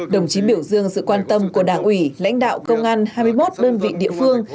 đồng chí biểu dương sự quan tâm của đảng ủy lãnh đạo công an hai mươi một đơn vị địa phương